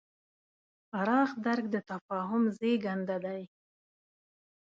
پراخ درک د تفاهم زېږنده دی.